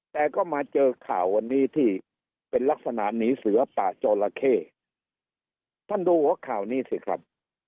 แต่ก็มาเจอข่าววันนี้ที่เป็นลักษณะหนีเสือป่าจอละเข้ท่านดูหัวข่าวนี้สิครับ